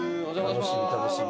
楽しみ楽しみ。